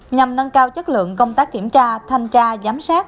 nhằm nâng cao chất lượng công tác kiểm tra thanh tra giám sát